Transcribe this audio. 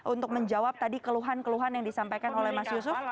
untuk menjawab tadi keluhan keluhan yang disampaikan oleh mas yusuf